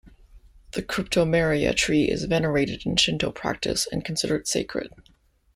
The Cryptomeria tree is venerated in Shinto practice, and considered sacred.